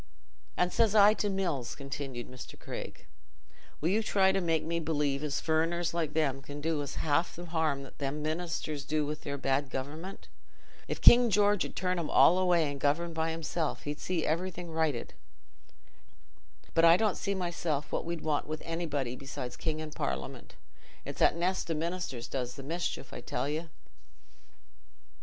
"And says I to Mills," continued Mr. Craig, "'Will you try to make me believe as furriners like them can do us half th' harm them ministers do with their bad government? If King George 'ud turn 'em all away and govern by himself, he'd see everything righted. He might take on Billy Pitt again if he liked; but I don't see myself what we want wi' anybody besides King and Parliament. It's that nest o' ministers does the mischief, I tell you.